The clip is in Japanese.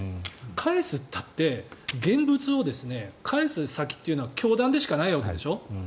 返すったって現物を返す先というのは教団でしかないわけですよ。